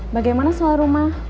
bagaimana soal rumah